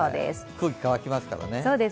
空気、乾きますからね。